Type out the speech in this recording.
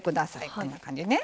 こんな感じね。